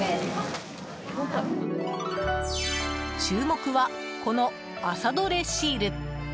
注目は、この朝獲れシール。